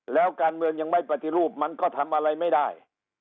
แล้วการเมืองยังไม่ปฏิรูปมันก็ทำอะไรไม่ได้